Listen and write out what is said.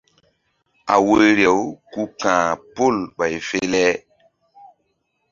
A woyri-aw ku ka̧h pol ɓay fe le.